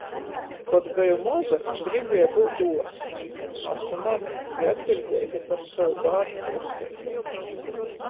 Kod beju moza, gribieju byut uorsts. Asu mama i atbiļdeiga par sovu bārnu uorstiešonu.